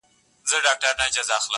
په خبره ولي نه سره پوهېږو٫